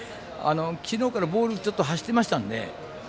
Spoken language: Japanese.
きのうからボールちょっと走ってましたので。